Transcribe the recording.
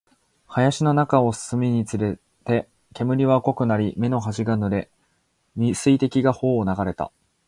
林の中を進むにつれて、煙は濃くなり、目の端が濡れ、水滴が頬を流れた